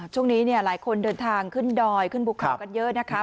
ช่วงนี้หลายคนเดินทางขึ้นดอยขึ้นบุคคลกันเยอะนะครับ